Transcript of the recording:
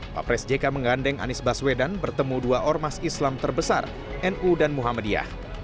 pak pres jk menggandeng anies baswedan bertemu dua ormas islam terbesar nu dan muhammadiyah